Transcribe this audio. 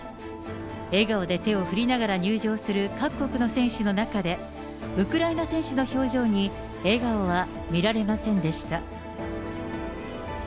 笑顔で手を振りながら入場する各国の選手の中で、ウクライナ選手の表情に笑顔は見られませんでした。